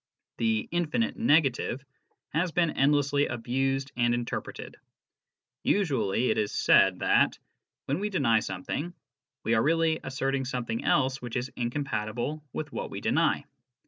The " infinite negative " has been endlessly abused and inter preted. Usually it is said that, when we deny something, we are really asserting something else which is incompatible with what we deny.